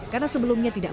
karena sebelumnya tidak